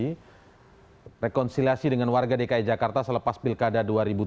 jadi rekonsiliasi dengan warga dki jakarta selepas pilkada dua ribu tujuh belas